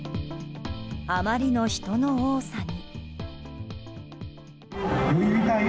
あまりの人の多さに。